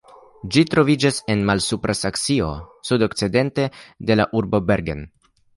Ĝi troviĝis en Malsupra Saksio sudokcidente de urbo Bergen.